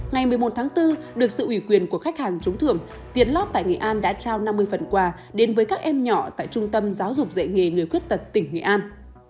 ngày một mươi một tháng bốn được sự ủy quyền của khách hàng trúng thưởng việt lót tại nghệ an đã trao năm mươi phần quà đến với các em nhỏ tại trung tâm giáo dục dạy nghề người khuyết tật tỉnh nghệ an